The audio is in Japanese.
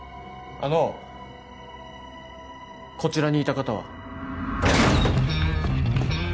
あのこちらにいた方は？